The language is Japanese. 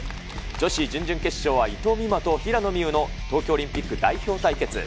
女子準々決勝は伊藤美誠と平野美宇の東京オリンピック代表対決。